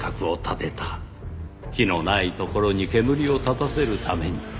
火のないところに煙を立たせるために。